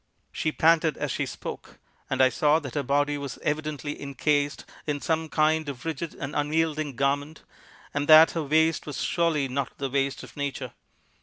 "She panted as she spoke, and I saw that her body was evidently incased in some kind of rigid and unyielding garment, and that her waist was surely not the waist of nature.